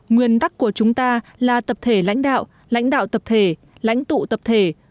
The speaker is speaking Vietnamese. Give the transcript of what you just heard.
nguyên tắc của chúng ta là tập thể lãnh đạo lãnh đạo tập thể lãnh tụ tập thể